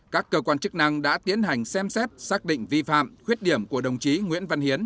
các cơ quan chức năng đã tiến hành xem xét xác định vi phạm khuyết điểm của đồng chí nguyễn văn hiến